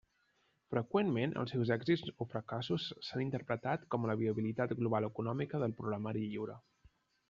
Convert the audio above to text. Freqüentment, els seus èxits o fracassos s'han interpretat com la viabilitat global econòmica del programari lliure.